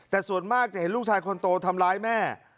แต่ส่วนมากจะเห็นลูกชายคนโตทำร้ายแม่